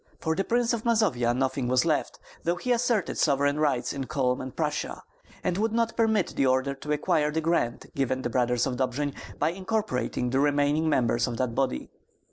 For the Prince of Mazovia nothing was left, though he asserted sovereign rights in Culm and Prussia, and would not permit the order to acquire the grant given the Brothers of Dobjin by incorporating the remaining members of that body.